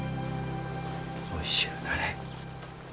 おいしゅうなれ。